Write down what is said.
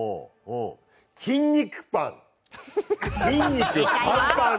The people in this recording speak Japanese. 筋肉パン。